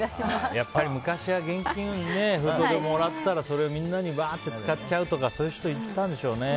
やっぱり昔は現金封筒でもらったらそれをみんなにばーっと使っちゃうとかそういう人いたんですかね。